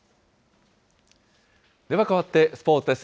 では変わってスポーツです。